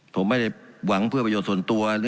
ผมไม่ได้หวังเพื่อประโยชน์ส่วนตัว